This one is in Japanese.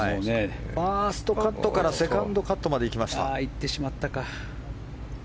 ファーストカットからセカンドカットまで行きました。